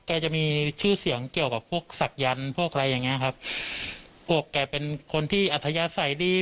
แกจะมีชื่อเสียงเกี่ยวกับพวกศักยันต์พวกอะไรอย่างเงี้ยครับพวกแกเป็นคนที่อัธยาศัยดี